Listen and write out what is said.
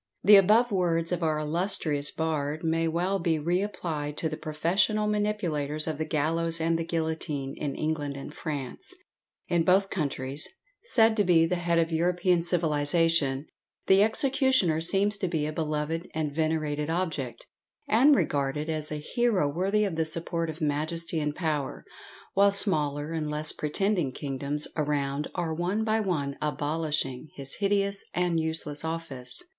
The above words of our illustrious bard may well be re applied to the professional manipulators of the gallows and the guillotine, in England and France. In both countries, said to be the head of European civilization, the executioner seems to be a beloved and venerated object, and regarded as a hero worthy of the support of majesty and power, while smaller and less pretending kingdoms around are, one by one, abolishing his hideous and useless office.